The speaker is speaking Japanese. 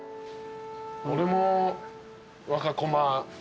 俺も若駒。